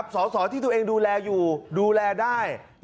สอสอที่ตัวเองดูแลอยู่ดูแลได้